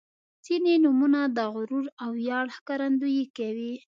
• ځینې نومونه د غرور او ویاړ ښکارندويي کوي.